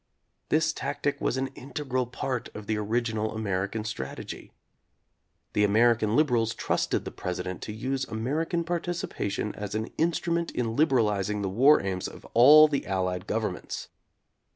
This tactic was an integral part of the origi nal American strategy. The American liberals trusted the President to use American participa tion as an instrument in liberalizing the war aims of all the Allied governments.